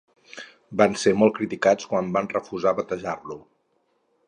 Van ser molt criticats quan van refusar batejar-lo.